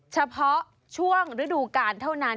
เฉพาะช่วงฤดูกาลเท่านั้น